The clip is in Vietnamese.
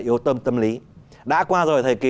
yếu tâm tâm lý đã qua rồi thời kỳ